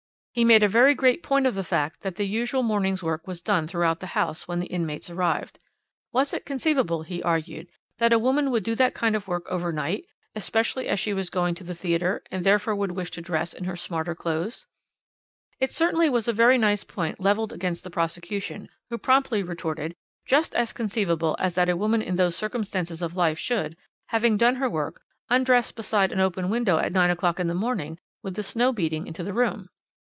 "He made a very great point of the fact that the usual morning's work was done throughout the house when the inmates arrived. Was it conceivable, he argued, that a woman would do that kind of work overnight, especially as she was going to the theatre, and therefore would wish to dress in her smarter clothes? It certainly was a very nice point levelled against the prosecution, who promptly retorted: Just as conceivable as that a woman in those circumstances of life should, having done her work, undress beside an open window at nine o'clock in the morning with the snow beating into the room.